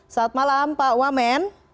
saat malam pak wamen